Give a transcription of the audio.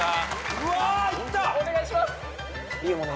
うわーいった！